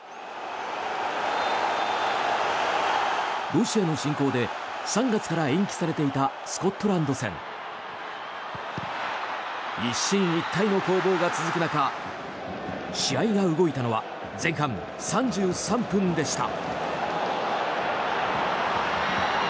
ロシアの侵攻で３月から延期されていたスコットランド戦。一進一退の攻防が続く中試合が動いたのは前半３３分でした。